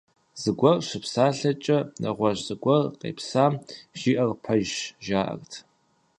Зыгуэр щыпсалъэкӏэ нэгъуэщӀ зыгуэр къепсамэ, жиӀэр пэжщ, жаӀэрт.